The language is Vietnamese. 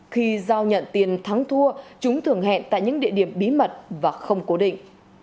khi giao nhận tiền thắng thua chúng thường hẹn tại những địa điểm bí mật và không cố định